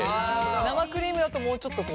生クリームだともうちょっとこう。